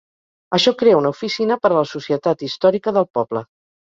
Això crea una oficina per a la societat histórica del poble.